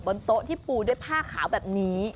พี่ปูด้วยผ้าขาวแบบนี้